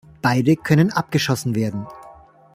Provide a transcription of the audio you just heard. Beide können abgeschossen werden.